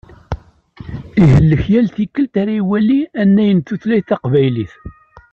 Ihellek yal tikelt ara iwali annay n tutlayt taqbaylit.